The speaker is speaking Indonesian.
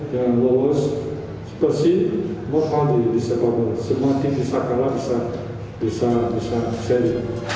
jadi mohon di disekapkan semua tim bisa kalah bisa seri